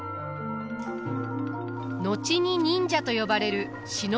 後に忍者と呼ばれる忍びの者。